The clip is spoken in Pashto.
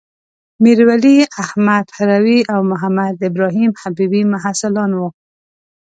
میرولی احمد هروي او محمدابراهیم حبيبي محصلان وو.